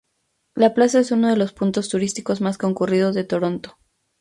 La plaza es uno de los puntos turísticos más concurridos de Toronto.